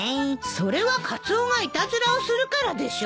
それはカツオがいたずらをするからでしょ！